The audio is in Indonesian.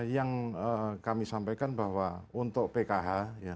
yang kami sampaikan bahwa untuk pkh